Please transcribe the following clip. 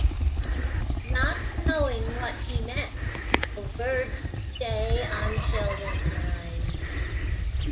Not knowing what he meant, the words stay on Sheldon's mind.